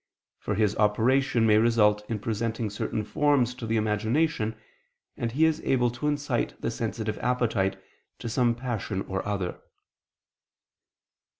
For his operation may result in presenting certain forms to the imagination; and he is able to incite the sensitive appetite to some passion or other.